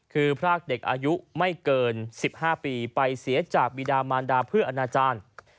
คือพรากเด็กอายุไม่เกิน๑๕ปีไปเสียจากบีดามานดาเพื่ออนาจารย์